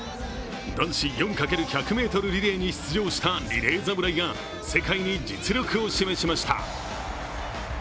男子４×１００ｍリレーに出場したリレー侍が世界に実力を示しました。